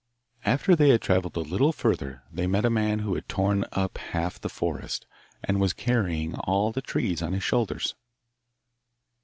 After they had travelled a little further they met a man who had torn up half the forest, and was carrying all the trees on his shoulders.